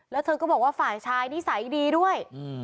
แล้วเธอก็บอกว่าฝ่ายชายนิสัยดีด้วย